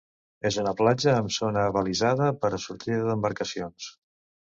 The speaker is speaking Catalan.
És una platja amb zona abalisada per a sortida d'embarcacions.